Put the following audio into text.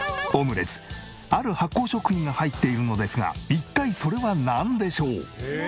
ある発酵食品が入っているのですが一体それはなんでしょう？